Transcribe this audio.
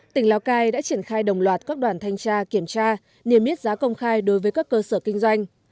tỉnh lào cai đã triển khai đồng loạt các đoàn thanh tra kiểm tra niềm yết giá công khai đối với các cơ sở kinh doanh